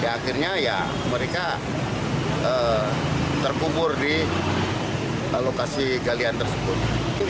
akhirnya ya mereka terkubur di lokasi galian tersebut